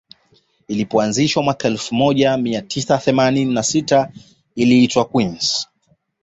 Ilipoanzishwa mwaka elfu moja mia tisa thelathini na sita iliitwa Queens